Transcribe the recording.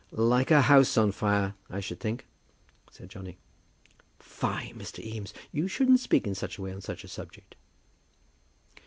"Like a house on fire, I should think," said Johnny. "Fie, Mr. Eames; you shouldn't speak in such a way on such a subject."